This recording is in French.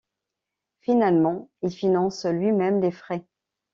Finalement il finance lui-même les frais.